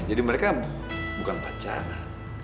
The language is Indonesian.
jadi mereka bukan pacaran